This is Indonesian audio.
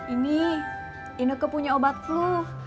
ini ineke punya obat flu